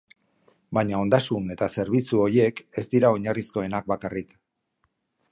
Baina ondasun eta zerbitzu horiek ez dira oinarrizkoenak bakarrik.